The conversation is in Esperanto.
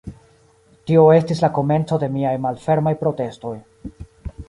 Tio estis la komenco de miaj malfermaj protestoj.